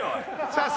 さあ